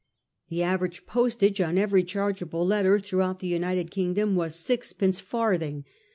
The average postage on every chargeable letter throughout the United Kingdom was six pence farthing.